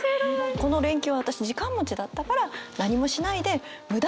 この連休私時間持ちだったから何もしないで無駄遣いをしていた。